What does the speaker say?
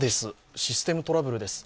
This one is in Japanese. システムトラブルです。